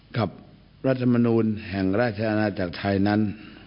รัฐมนูลแห่งราชอาณาจักรไทยนั้น